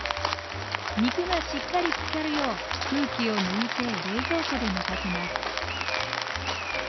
肉がしっかりつかるよう空気を抜いて冷蔵庫で寝かせます